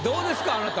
あなた。